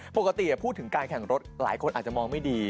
ปกติพูดถึงการแข่งรถหลายคนอาจจะมองไม่ดี